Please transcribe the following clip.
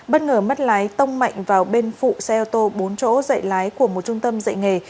bất ngờ mất lái tông mạnh vào bên phụ xe ô tô bốn chỗ dạy lái của một trung tâm dạy nghề